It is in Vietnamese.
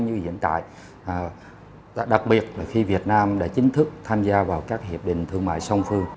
như hiện tại đặc biệt là khi việt nam đã chính thức tham gia vào các hiệp định thương mại song phương